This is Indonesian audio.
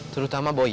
terutama boy ya